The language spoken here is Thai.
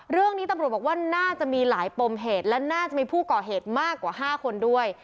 เรื่องนี้ตำรวจบอกว่าน่าจะมีหลายปมเหตุและน่าจะมีผู้ก่อเหตุมากกว่า๕คนด้วย